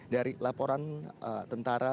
dari laporan tentara